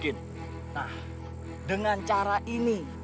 tidak ada harapan